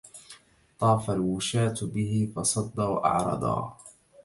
طاف الوشاة به فصد وأعرضا